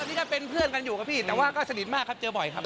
นี่ก็เป็นเพื่อนกันอยู่ครับพี่แต่ว่าก็สนิทมากครับเจอบ่อยครับ